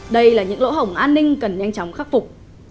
đây là những lỗ hổng an ninh cần nhanh chóng khắc phục